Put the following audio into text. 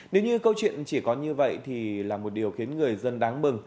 nếu như câu chuyện chỉ có như vậy thì là một điều khiến người dân đáng mừng